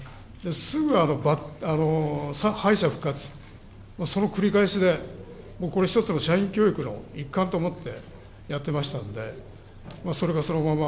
すぐ敗者復活、その繰り返しで、もうこれ、一つの社員教育の一環と思ってやってましたので、それがそのまま